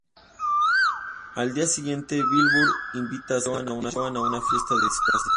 Al día siguiente, Wilbur invita a Sandra y Joan a una fiesta de disfraces.